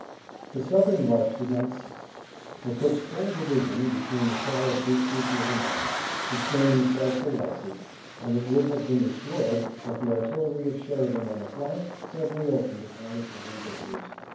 The Southern rush did not cease. McCook's whole division, between the shallow creeks was driven back, sustaining frightful losses, and it would have been destroyed, but the artillery of Sheridan on the flank suddenly opened upon the Southern victors.